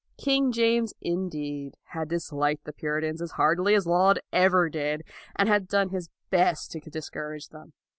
King James, indeed, had disliked the Puritans as heartily as Laud ever did, and had done his best to discourage them.